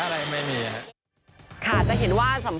กลุกก็ไม่ต้องคิดอะไรมากหรอกลงไว้เถอะ